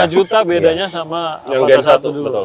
lima juta bedanya sama apakah satu dulu